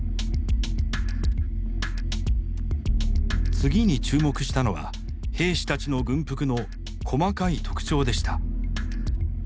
次に注目したのは兵士たちの軍服の細かい特徴でした。